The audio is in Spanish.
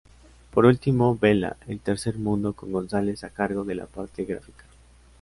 Por último "Bela, el tercer mundo" con González a cargo de la parte gráfica.